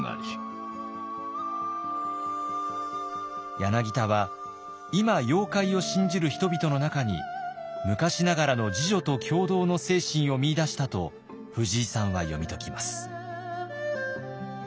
柳田は今妖怪を信じる人々の中に昔ながらの「自助」と「協同」の精神を見いだしたと藤井さんは読み解きます。